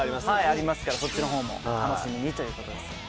ありますからそっちの方も楽しみにという事です。